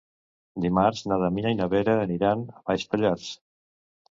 Dimarts na Damià i na Vera aniran a Baix Pallars.